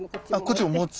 こっちも持つ。